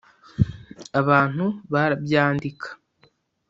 abantu barabyandika